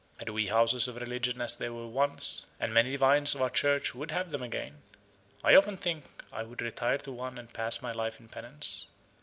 Had we houses of religion as there were once, and many divines of our Church would have them again, I often think I would retire to one and pass my life in penance.